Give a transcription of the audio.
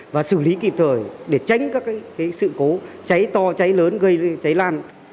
và xử lý kịp thời để tránh các sự cố cháy to cháy lớn gây cháy lan